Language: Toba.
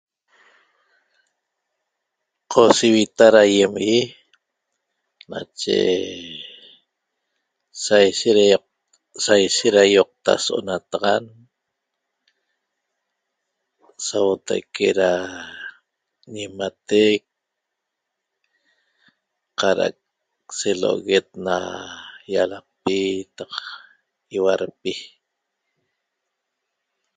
Qo sivita ra aýem ỹi nache saishet ra ioqta so'onataxan sauotaique ra ñimatec qara'aq selo'oguet na ýalaqpi taq ihuarpi